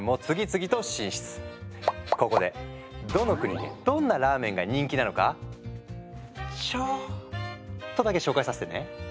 ここでどの国でどんなラーメンが人気なのかちょっとだけ紹介させてね。